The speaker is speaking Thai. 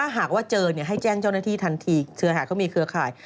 หากว่าเจอให้แจ้งเจ้าหน้าที่ทันทีเครือหาเขามีเครือข่าย